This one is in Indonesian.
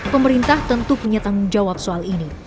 pemerintah tentu punya tanggung jawab soal ini